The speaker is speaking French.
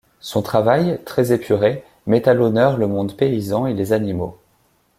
Son travail, très épuré, met à l'honneur le monde paysan et les animaux.